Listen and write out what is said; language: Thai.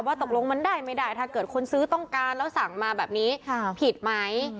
ตกลงมันได้ไม่ได้ถ้าเกิดคนซื้อต้องการแล้วสั่งมาแบบนี้ผิดไหม